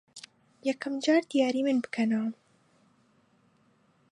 یەکەم جار دیاریی من بکەنەوە.